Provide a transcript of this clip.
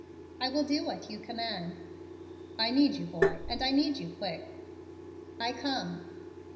"I will do what you command." "I need you, boy, and I need you quick." "I come."